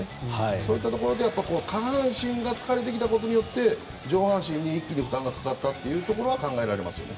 そういったところで下半身が疲れてきたことによって上半身に一気に負担がかかったというところは考えられますよね。